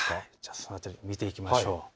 それを見ていきましょう。